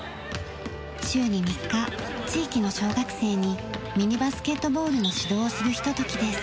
週に３日地域の小学生にミニバスケットボールの指導をするひとときです。